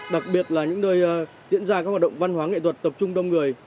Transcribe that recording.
đặc biệt là những nơi diễn ra các hoạt động văn hóa nghệ thuật tập trung đông người